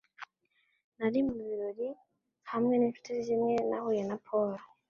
Nari mu birori hamwe n'inshuti zimwe nahuye na Tom.